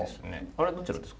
あれどちらですか？